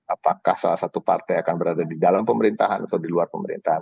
apakah salah satu partai akan berada di dalam pemerintahan atau di luar pemerintahan